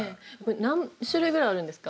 何種類ぐらいあるんですか？